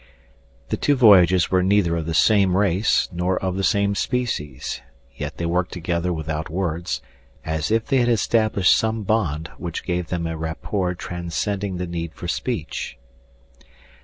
The two voyagers were neither of the same race nor of the same species, yet they worked together without words, as if they had established some bond which gave them a rapport transcending the need for speech.